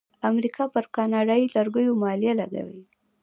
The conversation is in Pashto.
امریکا پر کاناډایی لرګیو مالیه لګوي.